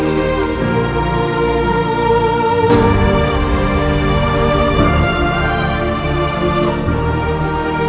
di bagian bawah